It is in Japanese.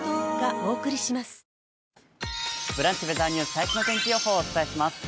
最新の天気予報、お伝えします。